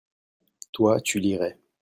toi, tu lirais.